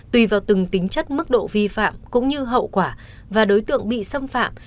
tùy vào từng tính chất mức độ vi phạm cũng như hậu quả và đối tượng bị xâm phạm